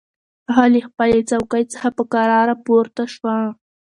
هغه له خپلې څوکۍ څخه په کراره پورته شوه.